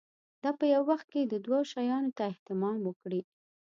دا په یوه وخت کې دوو شیانو ته اهتمام وکړي.